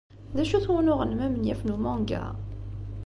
D acu-t wunuɣ-nnem amenyaf n umanga?